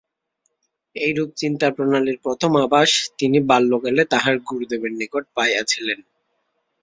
এইরূপ চিন্তাপ্রণালীর প্রথম আভাস তিনি বাল্যকালে তাঁহার গুরুদেবের নিকট পাইয়াছিলেন।